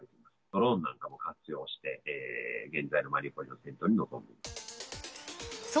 ドローンなども活用して、現在のマリウポリの戦闘に臨んでいます。